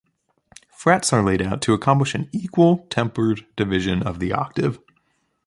Frets are laid out to accomplish an equal tempered division of the octave.